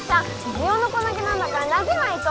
ジオノコ投げなんだから投げないと！